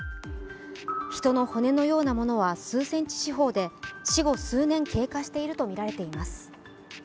人の骨のようなものは数センチ四方で死後数年経過しているとみられています。